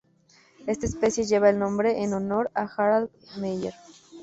Esta especie lleva el nombre en honor a Harald Meier.